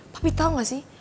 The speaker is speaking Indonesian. papi tau gak sih